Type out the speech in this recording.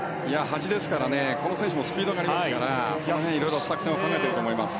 端ですからね、この選手もスピードがありますからその辺、いろいろ作戦を考えていると思います。